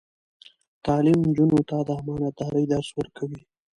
تعلیم نجونو ته د امانتدارۍ درس ورکوي.